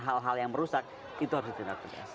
hal hal yang merusak itu harus di anarkis